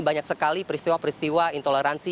banyak sekali peristiwa peristiwa intoleransi